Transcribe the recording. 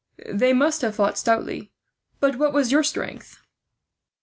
"They must have fought stoutly. But what was your strength?"